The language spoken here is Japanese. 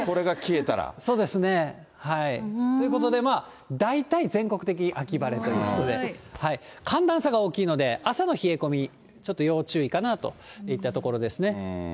そうですね。ということで、大体全国的に秋晴れということで、寒暖差が大きいので、朝の冷え込み、ちょっと要注意かなといったところですね。